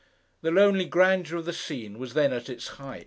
The lonely grandeur of the scene was then at its height.